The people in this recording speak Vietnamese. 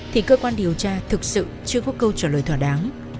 thì cơ quan điều tra thực sự chưa có câu trả lời thỏa đáng